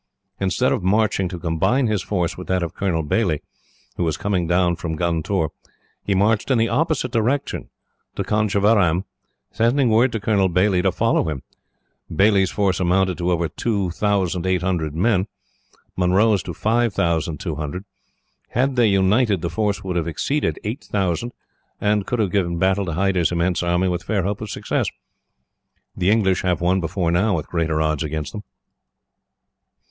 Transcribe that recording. Instead of marching to combine his force with that of Colonel Baillie, who was coming down from Guntoor, he marched in the opposite direction to Conjeveram, sending word to Colonel Baillie to follow him. Baillie's force amounted to over two thousand eight hundred men, Munro's to five thousand two hundred. Had they united, the force would have exceeded eight thousand, and could have given battle to Hyder's immense army with fair hope of success. The English have won, before now, with greater odds against them.